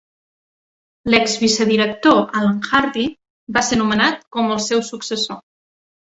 L'ex-vicedirector, Allan Hardy, va ser nomenat com el seu successor.